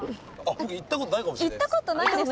僕行ったことないかもしれないです。